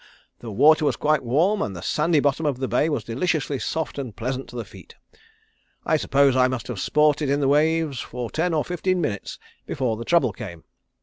The water was quite warm, and the sandy bottom of the bay was deliciously soft and pleasant to the feet. I suppose I must have sported in the waves for ten or fifteen minutes before the trouble came.